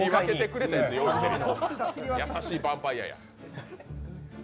優しいヴァンパイアや。